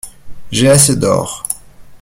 J’ai assez d’or.